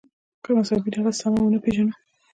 که مذهبي ډله سمه ونه پېژنو.